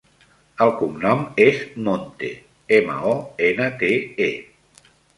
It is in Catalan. El cognom és Monte: ema, o, ena, te, e.